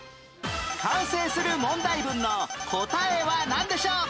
完成する問題文の答えはなんでしょう？